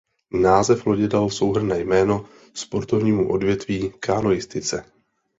Název lodě dal souhrnné jméno sportovnímu odvětví kanoistice.